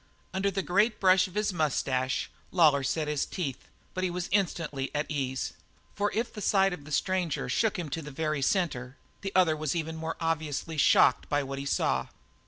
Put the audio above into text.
Under the great brush of his moustache, Lawlor set his teeth, but he was instantly at ease; for if the sight of the stranger shook him to the very centre, the other was even more obviously shocked by what he saw.